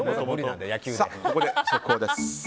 ここで速報です。